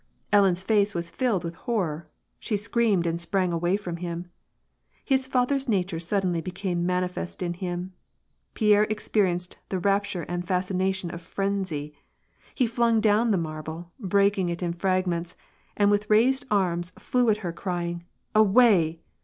Ellen's face' was filled with horror : she screamed and sprang awaj from him. His father's nature suddenly became mani fest in him. Pierre experienced the rapture and fascination of frenzy. He flung down the marble, breaking it in frag ments, and with raised arms flew at her, crying :" Away